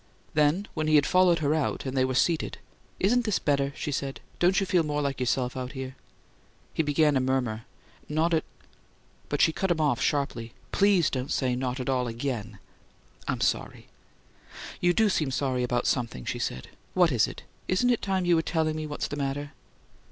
Then, when he had followed her out, and they were seated, "Isn't this better?" she asked. "Don't you feel more like yourself out here?" He began a murmur: "Not at " But she cut him off sharply: "Please don't say 'Not at all' again!" "I'm sorry." "You do seem sorry about something," she said. "What is it? Isn't it time you were telling me what's the matter?"